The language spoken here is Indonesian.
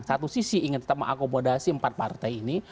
satu sisi ingin tetap mengakomodasi empat partai ini